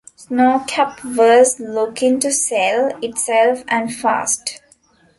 Snocap was looking to sell itself and fast.